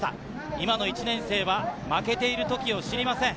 今の１年生は負けているときを知りません。